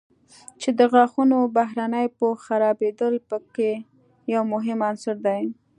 چې د غاښونو بهرني پوښ خرابېدل په کې یو مهم عنصر دی.